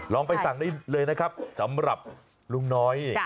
ลองไปสั่งได้เลยนะครับสำหรับลุงน้อย